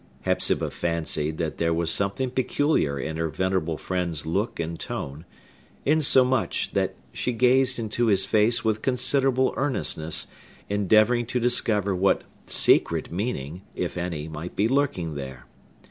Hepzibah fancied that there was something peculiar in her venerable friend's look and tone; insomuch, that she gazed into his face with considerable earnestness, endeavoring to discover what secret meaning, if any, might be lurking there.